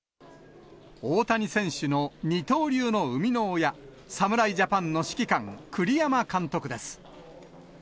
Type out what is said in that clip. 大谷選手の二刀流の生みの親、侍ジャパンの指揮官、栗山監督です。